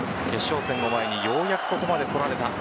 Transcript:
決勝戦を前にようやくここまでこられた。